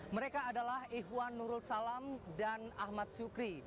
mereka adalah ihwan nurul salam dan ahmad sukri